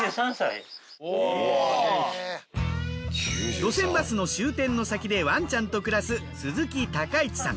路線バスの終点の先でワンちゃんと暮らす鈴木一さん